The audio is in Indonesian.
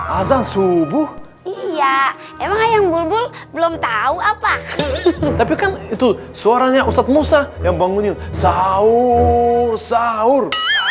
ajan subuh iya emang yang belum tahu apa itu suaranya ustadz musa yang bangunin sahur sahur